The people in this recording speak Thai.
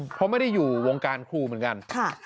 เพราะไม่ได้อยู่วงการครูเหมือนกัน